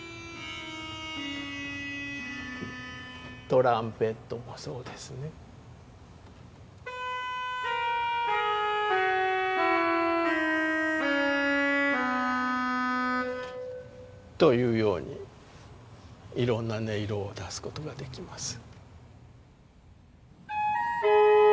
トランペットもそうですね。というようにいろんな音色を足すことができます。